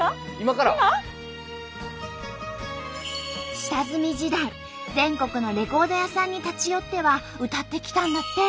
下積み時代全国のレコード屋さんに立ち寄っては歌ってきたんだって。